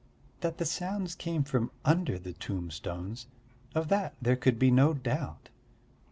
That the sounds came from under the tombstones of that there could be no doubt.